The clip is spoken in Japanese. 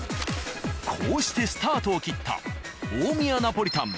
こうしてスタートを切った大宮ナポリタン